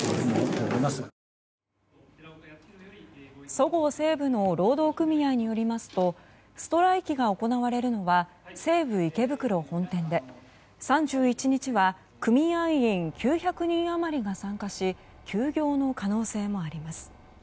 そごう・西武の労働組合によりますとストライキが行われるのは西武池袋本店で３１日は組合員９００人余りが参加し休業の可能性もあります。